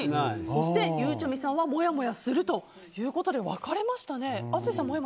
そして、ゆうちゃみさんはもやもやするということで分かれましたね。